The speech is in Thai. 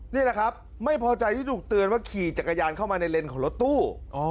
นี่แหละครับไม่พอใจที่ถูกเตือนว่าขี่จักรยานเข้ามาในเลนส์ของรถตู้